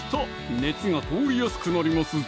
熱が通りやすくなりますぞ！